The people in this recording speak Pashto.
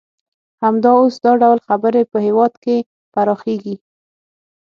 همدا اوس دا ډول خبرې په هېواد کې پراخیږي